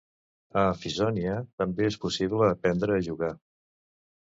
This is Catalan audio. A Afizonia també és possible aprendre a jugar.